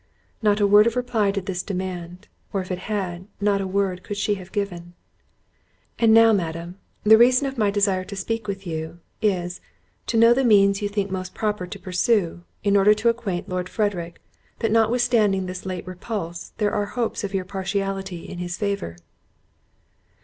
Not a word of reply did this demand; or if it had, not a word could she have given. "And now, Madam, the reason of my desire to speak with you—is, to know the means you think most proper to pursue, in order to acquaint Lord Frederick, that notwithstanding this late repulse, there are hopes of your partiality in his favour."